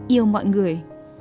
yêu mọi người